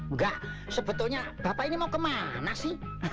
enggak sebetulnya bapak ini mau kemana sih